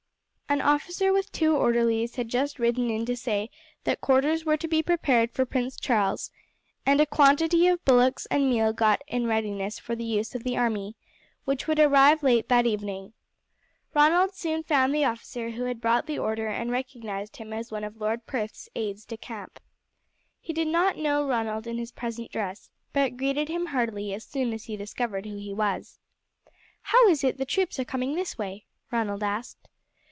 An officer with two orderlies had just ridden in to say that quarters were to be prepared for Prince Charles, and a quantity of bullocks and meal got in readiness for the use of the army, which would arrive late that evening. Ronald soon found the officer who had brought the order and recognized him as one of Lord Perth's aides de camp. He did not know Ronald in his present dress, but greeted him heartily as soon as he discovered who he was. "How is it the troops are coming this way?" Ronald asked.